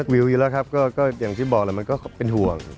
วิวอยู่แล้วครับก็อย่างที่บอกแหละมันก็เป็นห่วง